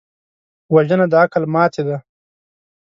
وژنه د عقل ماتې ده